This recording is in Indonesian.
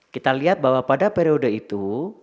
kita lihat bahwa pada periode itu